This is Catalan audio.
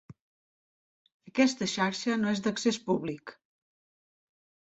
Aquesta xarxa no és d'accés públic.